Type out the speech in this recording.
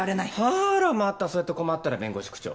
ほらまたそうやって困ったら弁護士口調。